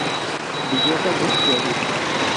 Villosa de Llodio.